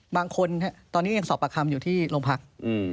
บางคนตอนนี้ยังสอบประคำอยู่ที่โรงพัก